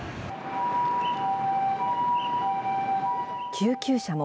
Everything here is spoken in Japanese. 救急車も。